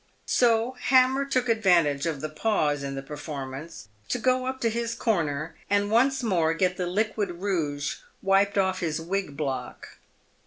So Hammer took advantage of the pause in the performance to go up to his corner, and once more get the " liquid rouge" wiped off his " wig block."